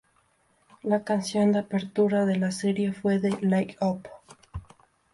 La canción de apertura de la serie, fue de "Light Up".